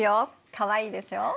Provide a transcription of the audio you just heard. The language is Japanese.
かわいいでしょ。